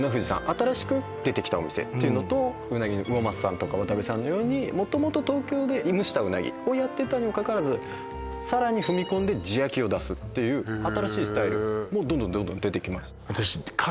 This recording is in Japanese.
新しく出てきたお店っていうのとうなぎ魚政さんとかわたべさんのように元々東京で蒸したうなぎをやってたにもかかわらずさらに踏み込んで地焼きを出すという新しいスタイルもどんどんどんどん出てきまして